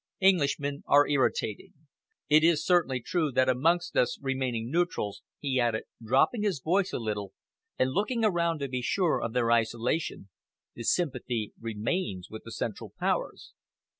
Englishmen are irritating. It is certainly true that amongst us remaining neutrals," he added, dropping his voice a little and looking around to be sure of their isolation, "the sympathy remains with the Central Powers."